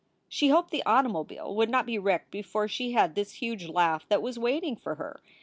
She hoped the automobile would not be wrecked before she had this huge laugh that was waiting for her.